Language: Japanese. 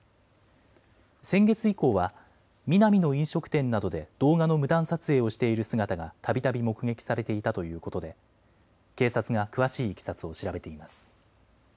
先月以降はミナミの飲食店などで動画の無断撮影をしている姿がたびたび目撃されていたということで警察が詳しいいきさつを調べています。